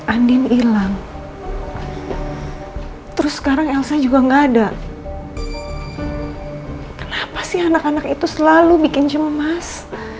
andin hilang terus sekarang yang saya juga enggak ada kenapa sih anak anak itu selalu bikin cemas